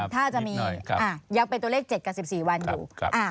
ถ้าจะมีอ่ายังเป็นตัวเลขเจ็ดกับสิบสี่วันอยู่ครับอ่า